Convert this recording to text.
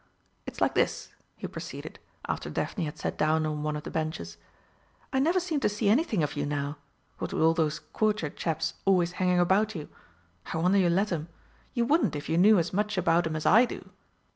It's like this," he proceeded, after Daphne had sat down on one of the benches, "I never seem to see anything of you now what with all those Courtier chaps always hanging about you. I wonder you let 'em. You wouldn't if you knew as much about 'em as I do.